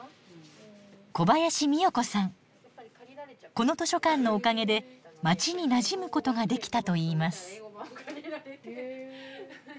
この図書館のおかげで街になじむことができたといいます。